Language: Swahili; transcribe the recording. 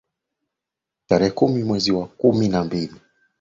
tarehe kumi mwezi wa kumi na mbili